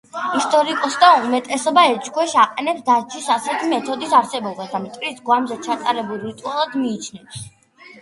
ისტორიკოსთა უმეტესობა ეჭვქვეშ აყენებს დასჯის ასეთი მეთოდის არსებობას და მტრის გვამზე ჩატარებულ რიტუალად მიიჩნევს.